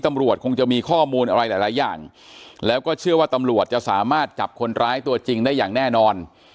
ตำรวจคงจะมีข้อมูลอะไรหลายอย่างแล้วก็เชื่อว่าตำรวจจะสามารถจับคนร้ายตัวจริงได้อย่างแน่นอน